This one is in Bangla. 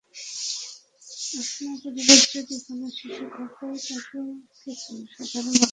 আপনার পরিবারে যদি কোনো শিশু থাকে, তাকে কিছু সাধারণ ভদ্রতা শেখানো জরুরি।